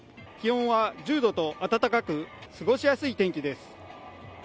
気温は１０度と、暖かく、過ごしやすい天気です。